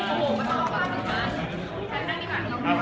ขอบคุณแม่ก่อนต้องกลางนะครับ